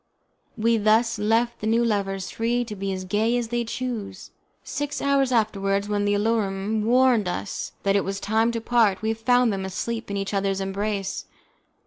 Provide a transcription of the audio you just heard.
We thus left the new lovers free to be as gay as they chose. Six hours afterwards, when the alarum warned us that it was time to part, we found them asleep in each other's embrace.